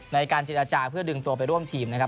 ในการเจรจาเพื่อดึงตัวไปร่วมทีมนะครับ